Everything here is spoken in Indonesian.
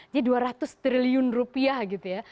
jadi dua ratus triliun rupiah gitu ya